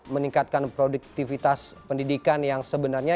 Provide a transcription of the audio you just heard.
meningkatkan produktivitas pendidikan yang sebenarnya